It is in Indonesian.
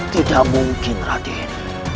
tidak mungkin raden